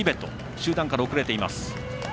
集団から遅れています。